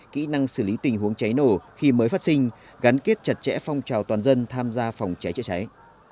kỹ năng xử lý tình huống cháy nổ khi mới phát sinh gắn kết chặt chẽ phong trào toàn dân tham gia phòng cháy chữa cháy